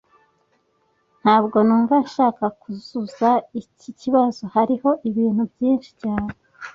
Ntabwo numva nshaka kuzuza iki kibazo. Hariho ibintu byinshi cyane.